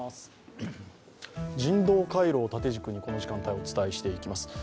人道回廊を縦軸にこの時間帯、お伝えしていきます。